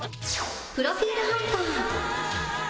プロフィールハンター